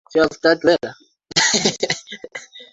sera na mazoea kutoka mtazamo wa tahadhari mbalimbali